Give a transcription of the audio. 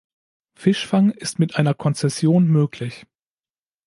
Fischfang ist mit einer Konzession möglich.